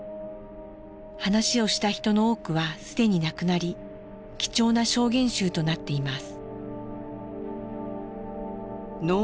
話を残した人の多くは既に亡くなり貴重な証言集となっています。